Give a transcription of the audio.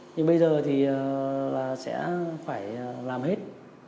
nhưng bây giờ thì sẽ phải làm hết